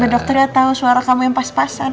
biar dokter udah tau suara kamu yang pas pasan